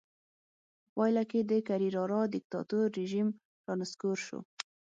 په پایله کې د کرېرارا دیکتاتور رژیم رانسکور شو.